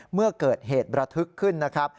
เมื่อเกิดเหตุระทึกขึ้นนะครับ